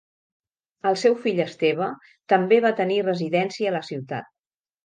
El seu fill Esteve també va tenir residència a la ciutat.